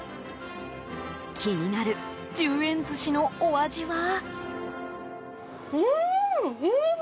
気になる１０円寿司のお味は。